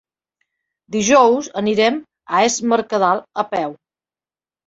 Dijous anirem a Es Mercadal a peu.